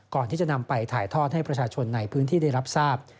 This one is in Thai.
ก่อนที่จะนำไปถ่ายทอดให้ประชาชนในพื้นที่ได้รับทราบ